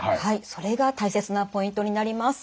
それが大切なポイントになります。